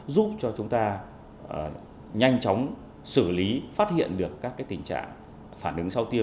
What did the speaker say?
giúp cho chúng ta nhanh chóng xử lý phát hiện được các tình trạng phản ứng